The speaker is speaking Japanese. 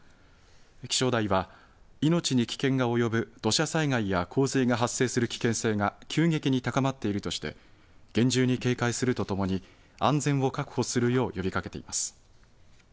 気象台は命に危険が及ぶ土砂災害や洪水が発生する危険性が急激に高まっているとして、厳重に警戒するとともに、安全を確保するよう呼びかけています。